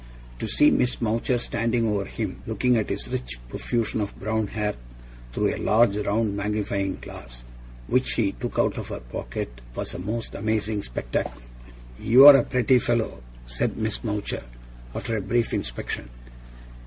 To see Miss Mowcher standing over him, looking at his rich profusion of brown hair through a large round magnifying glass, which she took out of her pocket, was a most amazing spectacle. 'You're a pretty fellow!' said Miss Mowcher, after a brief inspection.